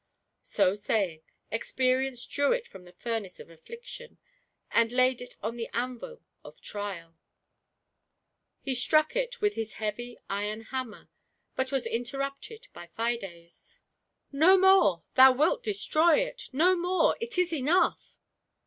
So saying. Experience drew it from the furnace of Affliction, and laid it on the anvil of Trial. He struck it with his heavy iron hammer, but was interrupted by Fides. GIANT FBIDE. " No more — thou wilt destroy it ; no more — it in enough